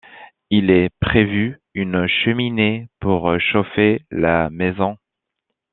il est prévu une cheminée pour chauffer la maison